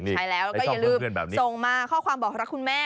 ใช่แล้วแล้วก็อย่าลืมส่งมาข้อความบอกรักคุณแม่